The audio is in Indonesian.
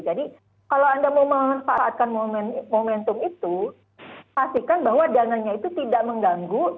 jadi kalau anda mau memanfaatkan momentum itu pastikan bahwa dananya itu tidak mengganggu